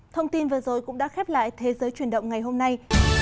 thông tin vừa rồi cũng đã khép lại thế giới chuyển động ngày hôm nay